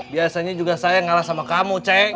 biasanya juga saya ngalah sama kamu cai